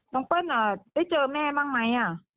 เปิ้ลได้เจอแม่บ้างไหม